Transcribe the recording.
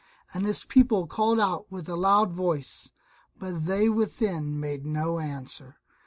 And his people called out with a loud voice, but they within made no answer.